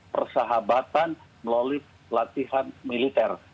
persahabatan melalui latihan militer